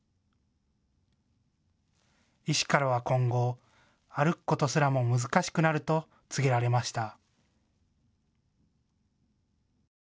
医師からは今後、歩くことすらも難しくなると告げられました。